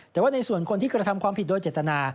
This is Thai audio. แต่ว่าในส่วนคนที่กระทำความผิดโดยเจตนา